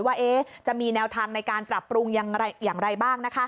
ว่าจะมีแนวทางในการปรับปรุงอย่างไรบ้าง